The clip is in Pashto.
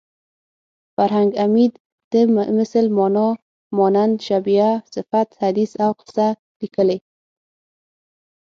فرهنګ عمید د مثل مانا مانند شبیه صفت حدیث او قصه لیکلې